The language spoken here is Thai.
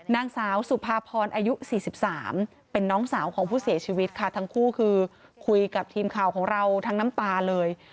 นางสาวสุภาพรอายุ๔๓เป็นน้องสาวของผู้เสียชีวิตค่ะทั้งคู่คือคุยกับทีมข่าวของเราทั้งน้ำตาเลย